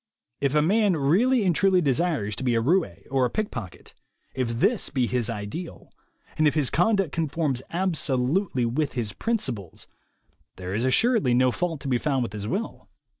If a man really and truly desires to be a roue or a pickpocket, if this be his ideal, and if his conduct conforms absolutely with his principles, there is assuredly no fault to be found with his will.